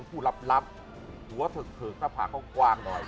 กูรับหัวเผิกสภาคก็กว้างหน่อย